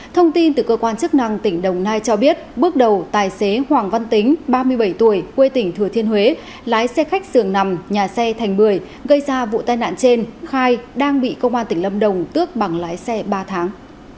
thông tin từ cơ quan chức năng tỉnh đồng nai cho biết bước đầu tài xế hoàng văn tính ba mươi bảy tuổi quê tỉnh thừa thiên huế lái xe khách xưởng nằm nhà xe thành bưởi gây ra vụ tai nạn trên khai đang bị công an tỉnh lâm đồng tước bằng lái xe ba tháng